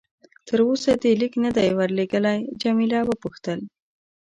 تر اوسه دې لیک نه دی ورلېږلی؟ جميله وپوښتل.